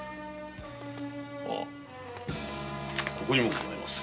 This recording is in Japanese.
あッここにもございます。